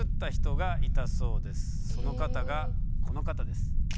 その方がこの方です。